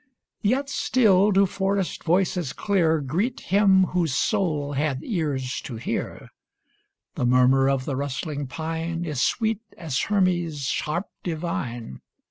Yet still do forest voices clear Greet him whose soul hath ears to hear ; The murmur of the rustling pine Is sweet as Hermes's harp divine.